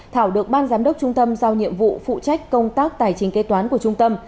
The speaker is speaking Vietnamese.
thảo được ban giám đốc trung tâm giao nhiệm vụ phụ trách công tác tài chính kế toán của trung tâm